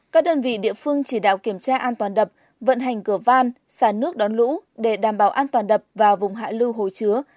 các đơn vị địa phương chỉ đạo kiểm tra an toàn đập vận hành cửa van xả nước đón lũ để đảm bảo an toàn đập vào vùng hạ lưu hồ chứa